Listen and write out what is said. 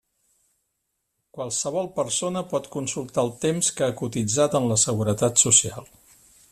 Qualsevol persona pot consultar el temps que ha cotitzat en la seguretat social.